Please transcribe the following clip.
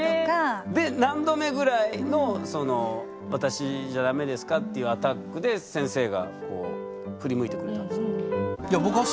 で何度目ぐらいのその私じゃだめですかっていうアタックで先生がこう振り向いてくれたんですか？